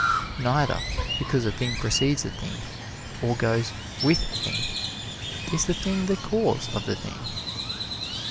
Neither, because a thing precedes a thing or goes with a thing, is the thing the cause of the thing.